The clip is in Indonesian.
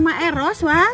kemana rumah eros wawan